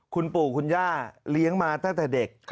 คุณปู่คุณย่าเลี้ยงมาตั้งแต่เด็ก